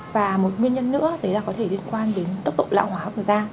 và một nguyên nhân nữa đấy là có thể liên quan đến tốc độ lão hóa của da